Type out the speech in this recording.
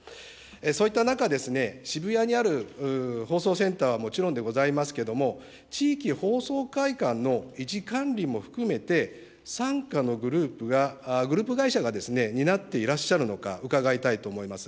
そういった中、渋谷にある放送センターはもちろんでございますけれども、地域放送会館の維持・管理も含めて、傘下のグループが、グループ会社が担っていらっしゃるのか、伺いたいと思います。